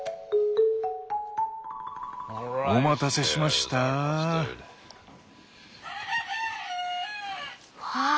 お待たせしましたぁ。